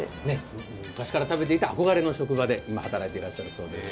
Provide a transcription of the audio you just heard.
昔から食べていた憧れの職場で今働いているそうです。